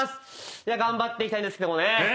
頑張っていきたいんですけどもね。